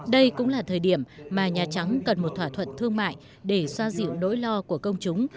đây cũng là thời điểm mà nhà trắng cần một thỏa thuận thương mại để xoa dịu nỗi lo của công chúng